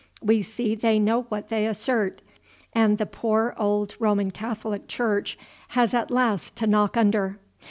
We see they know what they assert, and the poor old Roman Catholic Church has at last to knock under.